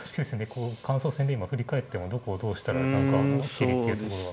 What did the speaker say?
こう感想戦で今振り返ってもどこをどうしたら何かはっきりっていうところが。